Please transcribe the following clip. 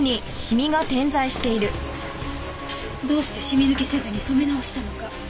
どうしてシミ抜きせずに染め直したのか。